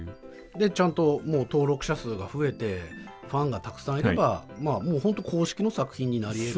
でちゃんともう登録者数が増えてファンがたくさんいればまあもうホント公式の作品になりえる。